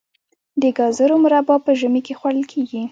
د ګازرو مربا په ژمي کې خوړل کیږي.